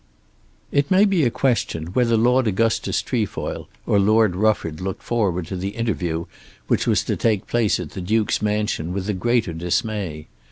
It may be a question whether Lord Augustus Trefoil or Lord Rufford looked forward to the interview which was to take place at the Duke's mansion with the greater dismay.